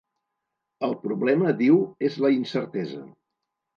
El problema, diu, és la incertesa.